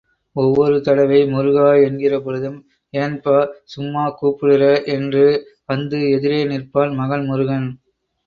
ஒவ்வொரு தடவை முருகா என்கிறபொழுதும், ஏன்பா சும்மா கூப்புடுறெ என்று வந்து எதிரே நிற்பான் மகன் முருகன்.